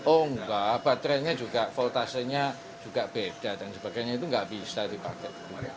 oh enggak baterainya juga voltasenya juga beda dan sebagainya itu nggak bisa dipakai